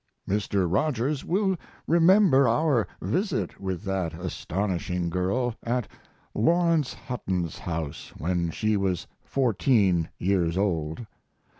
Mr. Rogers will remember our visit with that astonishing girl at Lawrence Hutton's house when she was fourteen years old.